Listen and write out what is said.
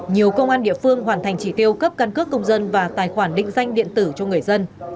nhiều công an địa phương hoàn thành chỉ tiêu cấp căn cước công dân và tài khoản định danh điện tử cho người dân